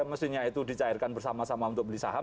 mestinya itu dicairkan bersama sama untuk beli saham